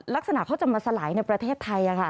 ลักษณะเขาจะมาสลายในประเทศไทย